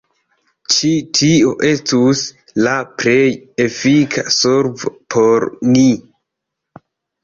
Ĉi tio estus la plej efika solvo por ni.